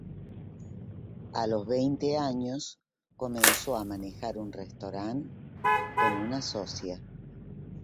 A los veinte años comenzó a manejar un restaurante con una socia.